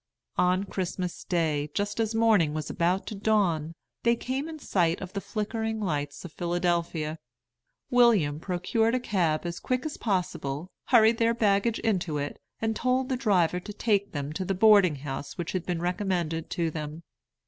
On Christmas day, just as morning was about to dawn, they came in sight of the flickering lights of Philadelphia. William procured a cab as quick as possible, hurried their baggage into it, and told the driver to take them to the boarding house which had been recommended to them.